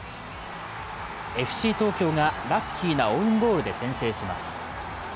ＦＣ東京がラッキーなオウンゴールで先制します。